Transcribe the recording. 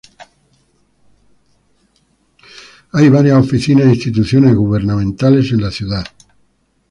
Hay varias oficinas e instituciones gubernamentales en la ciudad.